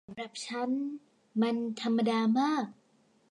สำหรับฉันมันธรรมดามาก